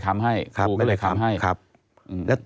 ตั้งแต่ปี๒๕๓๙๒๕๔๘